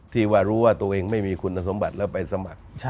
ที่ว่ารู้ว่าตัวเองไม่มีคุณสมบัติแล้วไปสมัคร